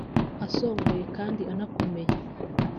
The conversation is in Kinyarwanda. asongoye kandi anakomeye